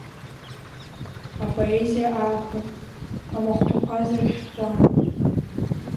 Апоезиа ааԥын, амахәҭақәа зыршәҭуа…